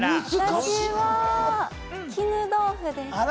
それは、絹豆腐です！